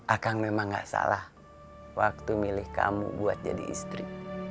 akang memang gak salah waktu milih kamu buat jadi istri